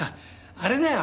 あれだよ